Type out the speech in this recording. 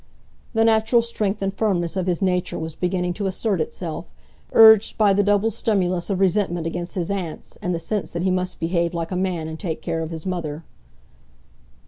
The natural strength and firmness of his nature was beginning to assert itself, urged by the double stimulus of resentment against his aunts, and the sense that he must behave like a man and take care of his mother.